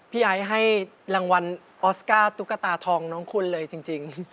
ไอซ์ให้รางวัลออสการ์ตุ๊กตาทองน้องคุณเลยจริง